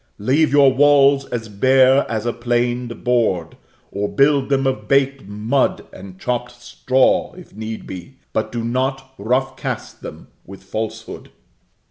Leave your walls as bare as a planed board, or build them of baked mud and chopped straw, if need be; but do not rough cast them with falsehood.